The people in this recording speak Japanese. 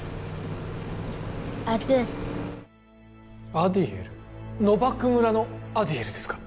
アディエルノバク村のアディエルですか？